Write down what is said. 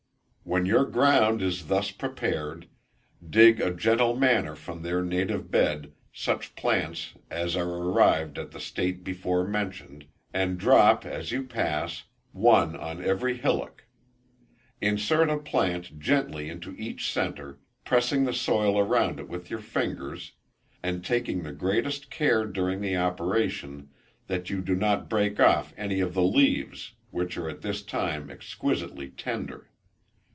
When your ground is thus prepared, dig in a gentle manner from their native bed, such plants as are arrived at the state before mentioned, and drop, as you pass, one on every hillock. Insert a plant gently into each center, pressing the soil around it with your fingers, and taking the greatest care, during the operation, that you do not break off any of the leaves, which are at this time exquisitely tender.